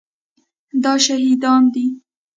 دا شهیدان دي